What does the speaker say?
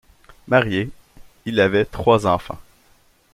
Marié, il avait trois enfants.